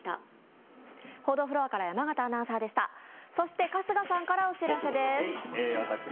そして春日さんからお知らせです。